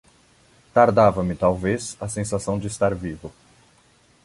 Tardava-me, talvez, a sensação de estar vivo.